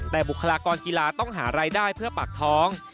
แต่บุคลากรกีฬาต้องหารายได้เพื่อปากท้อง